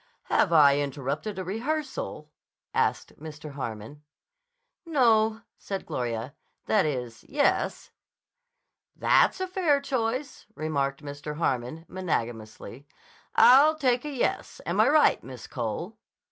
"Have I interrupted a rehearsal?" asked Mr. Harmon. "No," said Gloria. "That is, yes." "That's a fair choice," remarked Mr. Harmon magnanimously. "I'll take yes. Am I right, Miss Cole?"